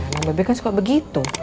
yang bebe kan suka begitu